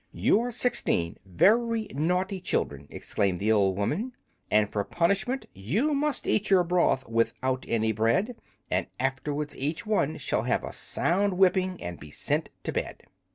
"You are sixteen very naughty children!" exclaimed the old woman; "and for punishment you must eat your broth without any bread, and afterwards each one shall have a sound whipping and be sent to bed."